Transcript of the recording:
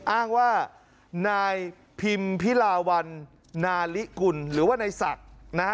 อ้างว่านายพิมพิลาวันนาลิกุลหรือว่านายศักดิ์นะฮะ